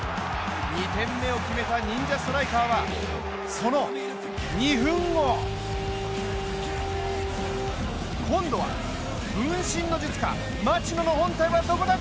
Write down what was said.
２点目を決めた忍者ストライカーはその２分後、今度は分身の術か町野の本体はどこだ？